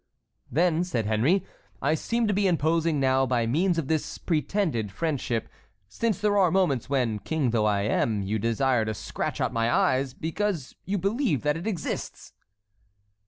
"Then," said Henry, "I seem to be imposing now by means of this pretended friendship, since there are moments when, king though I am, you desire to scratch out my eyes, because you believe that it exists!"